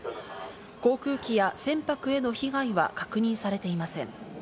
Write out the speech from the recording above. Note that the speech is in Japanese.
航空機や船舶への被害は確認されていません。